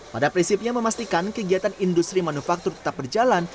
pada prinsipnya memastikan kegiatan industri manufaktur tetap berjalan